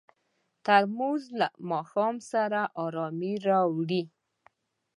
ترموز له ماښام سره ارامي راوړي.